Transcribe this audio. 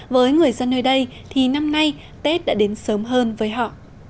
với người dân nơi đây thì năm nay tết đã đến sớm hơn với họ